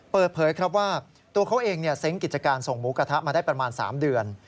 เปิดเผยครับว่าตัวเขาเองเซ้งกิจการส่งหมูกระทะมาได้ประมาณ๓เดือน